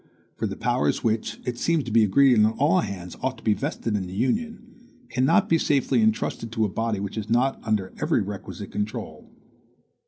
For the powers which, it seems to be agreed on all hands, ought to be vested in the Union, cannot be safely intrusted to a body which is not under every requisite control.